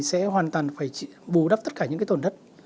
sẽ hoàn toàn phải bù đắp tất cả những cái tổn thất